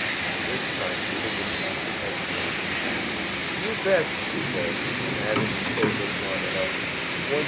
And this time Peter didn't have to hesitate. "You bet!" he said, and added his favorite formula "100%!"